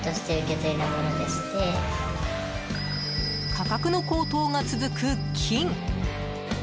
価格の高騰が続く金。